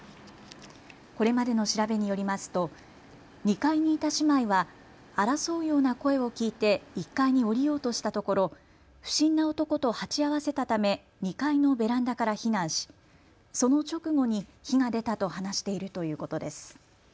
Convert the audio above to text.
これまでの調べによりますと２階にいた姉妹は争うような声を聞いて１階に下りようとしたところ不審な男と鉢合わせたため２階のベランダから避難しその直後に火が出たと話しているということです。